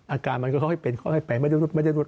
อาการมันก็ค่อยเป็นค่อยเป็นไม่ได้รุดไม่ได้รุด